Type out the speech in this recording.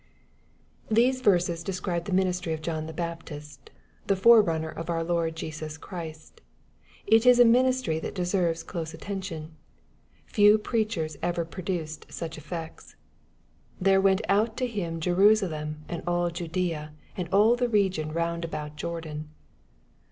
These verses describe the ministry of John the Baptist, the forerunner of our Lord Jesus Christ. It is a ministry that deserves close attention. Few preachers ever pro duced such effects. " There went out to him'Jerusalem, and all Judeea, and all the region round about Jordan."